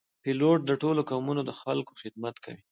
پیلوټ د ټولو قومونو د خلکو خدمت کوي.